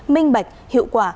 minh bạch hiệu quả